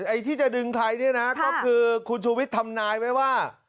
ไอ้ที่จะดึงใครเนี่ยนะก็คือคุณชูวิทย์ทำนายไว้ว่า